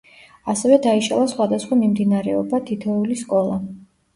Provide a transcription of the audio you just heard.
ასევე, დაიშალა სხვადასხვა მიმდინარეობად თითოეული სკოლა.